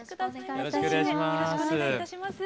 よろしくお願いします。